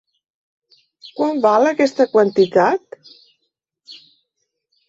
Quant val aquesta quantitat?